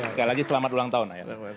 sekali lagi selamat ulang tahun